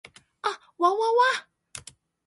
あっわわわ